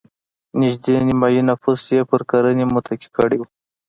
نږدې نیمايي نفوس یې پر کرنې متکي کړی و.